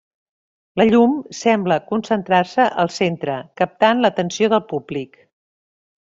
La llum sembla concentrar-se al centre, captant l'atenció del públic.